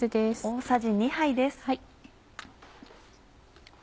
大さじ２杯です。